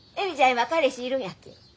今彼氏いるんやっけ？